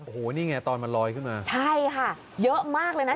โอ้โหนี่ไงตอนมันลอยขึ้นมาใช่ค่ะเยอะมากเลยนะ